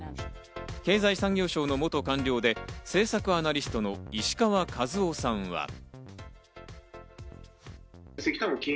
経済産業省の元官僚で政策アナリストの石川和男さんは。